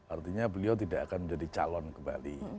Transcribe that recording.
artinya beliau tidak akan menjadi calon kembali